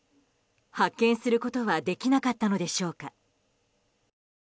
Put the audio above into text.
発見することはできなかったのでしょうか。